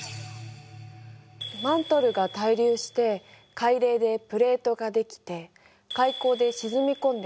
マントルが対流して海嶺でプレートが出来て海溝で沈み込んでいる。